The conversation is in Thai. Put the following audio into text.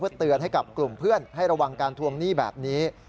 เตือนให้กับกลุ่มเพื่อนให้ระวังการทวงหนี้แบบนี้